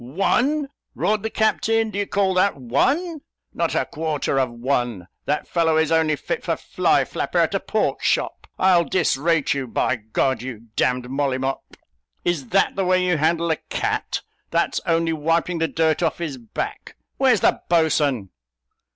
"One!" roared the captain; "do you call that one? not a quarter of a one. That fellow is only fit for fly flapper at a pork shop! I'll disrate you, by G d, you d d Molly Mop; is that the way you handle a cat; that's only wiping the dirt off his back. Where's the boatswain?"